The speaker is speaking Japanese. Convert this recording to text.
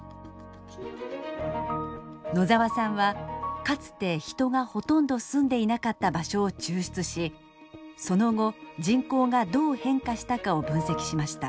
野澤さんはかつて人がほとんど住んでいなかった場所を抽出しその後人口がどう変化したかを分析しました。